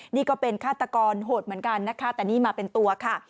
นี่ก็เป็นฆาตกรโหดเหมือนกันนะคะแต่นี่มาเป็นตัวค่ะ